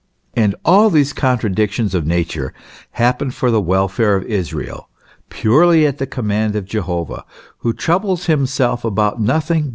And all these contradictions of Nature happen for the welfare of Israel, purely at the command of Jehovah, who troubles himself about nothing but Israel, who is * In Diogenes (L.